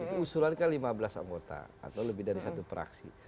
itu usulan kan lima belas anggota atau lebih dari satu praksi